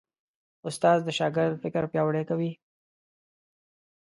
استاد د شاګرد فکر پیاوړی کوي.